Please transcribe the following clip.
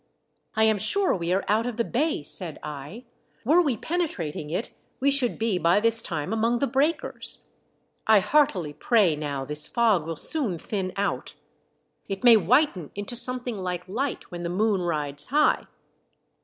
" I am sure we are out of the bay," said 1 ;" were we penetrating it we should be by this time among the breakers. I heartily pray now this fog will soon thin out. It may 2 K :j.9S THE DEATH SHIP. whiten into something Hke light when the moon rides high.